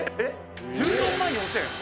「１４万４０００円？えっ？」